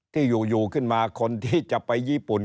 ที่อยู่ขึ้นมาคนที่จะไปญี่ปุ่น